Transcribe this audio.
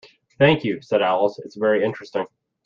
‘Thank you,’ said Alice, ‘it’s very interesting’.